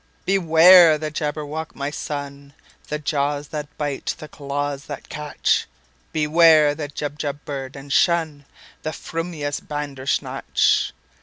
"Beware the Jabberwock, my son! The jaws that bite, the claws that catch! Beware the Jubjub bird, and shunThe frumious Bandersnatch!"